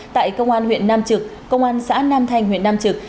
tại công an huyện nam trực công an xã nam thanh huyện nam trực